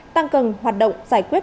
tăng cần hoạt động giải quyết